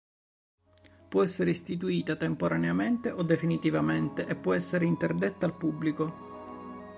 Può essere istituita temporaneamente o definitivamente e può essere interdetta al pubblico.